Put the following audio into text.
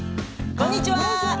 こんにちは。